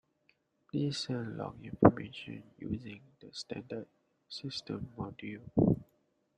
Please send log information using the standard system module.